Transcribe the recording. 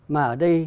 mà ở đây